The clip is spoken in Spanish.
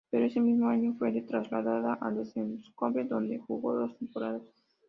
Pero ese mismo año fue traspasada al Essen-Schönebeck, donde jugó dos temporadas.